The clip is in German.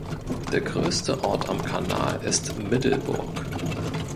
Der größte Ort am Kanal ist Middelburg.